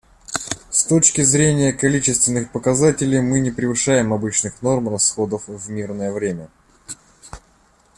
С точки зрения количественных показателей мы не превышаем обычных норм расходов в мирное время.